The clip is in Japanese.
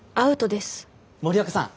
森若さん